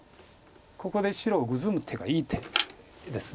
ここで白グズむ手がいい手です。